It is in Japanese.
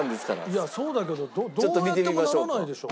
いやそうだけどどうやってもならないでしょ。